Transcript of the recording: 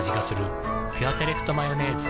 「ピュアセレクトマヨネーズ」